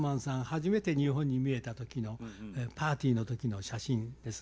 初めて日本に見えた時のパーティーの時の写真ですね